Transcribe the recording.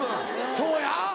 そうや。